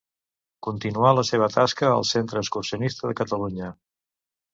Continuà la seva tasca al Centre Excursionista de Catalunya.